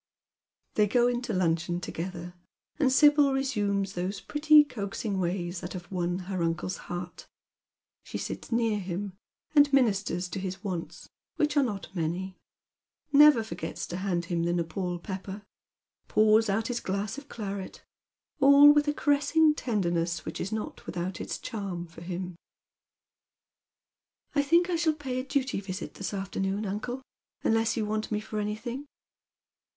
'i'iiey go in to luncheon together, and Sibyl resumes those pretty coaxing ways that have won her uncle's heart. She sits near him and ministers to his wants, which are not many, never forgets to hand him the Nepaul pepper, pours out his glass of claret — all with a caressing tenderness which is not without it* cliann for him. " I think I shall pay a duty visit this afternoon, uncle, unless you want me for anything."